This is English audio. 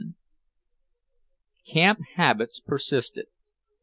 XI Camp habits persisted.